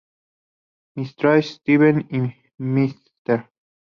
Mientras Steve y Mr.